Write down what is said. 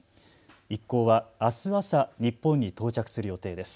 一行はあす朝、日本に到着する予定です。